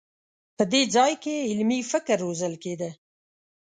په دې ځای کې علمي فکر روزل کېده.